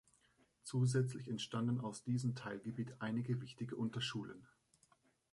Zusätzlich entstanden aus diesem Teilgebiet einige wichtige Unterschulen.